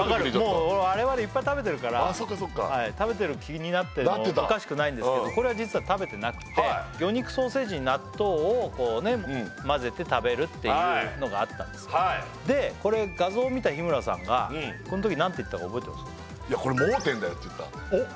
もう我々いっぱい食べてるから食べてる気になっててもおかしくないんですけどこれは実は食べてなくて魚肉ソーセージに納豆を混ぜて食べるっていうのがあったんですでこれ画像を見た日村さんがこのときいやこれ盲点だよって言ったおっ